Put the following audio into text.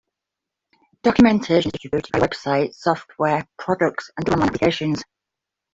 Documentation is distributed via websites, software products, and other on-line applications.